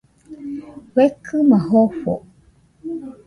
Fekɨma jofo.